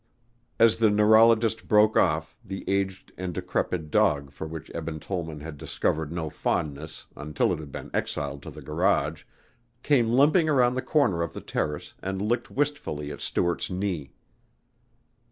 As the neurologist broke off the aged and decrepit dog for which Eben Tollman had discovered no fondness until it had been exiled to the garage, came limping around the corner of the terrace and licked wistfully at Stuart's knee.